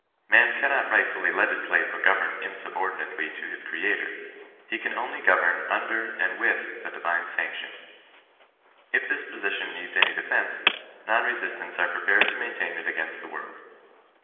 Man cannot rightfully legislate or govern inrsubordinatel^ to his Creator, lie can only govern under and with the divine sanction. If this position needs any defence, non resistants are prepared to maintain it against the world.